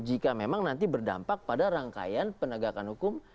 jika memang nanti berdampak pada rangkaian penegakan hukum